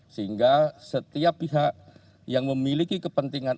sehingga setiap pihak yang memiliki kepentingan